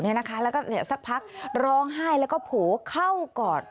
แล้วก็สักพักร้องไห้แล้วก็โผล่เข้ากอด